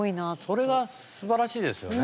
それが素晴らしいですよね。